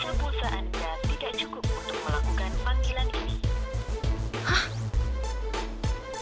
sisa pulsa anda tidak cukup untuk melakukan panggilan ini